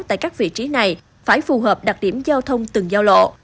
tại các vị trí này phải phù hợp đặc điểm giao thông từng giao lộ